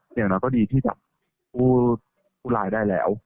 อย่างน้อยก็ดีที่จับผู้ร้ายได้แล้ว